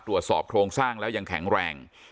ตรวจสอบโครงสร้างแล้วยังแข็งแรง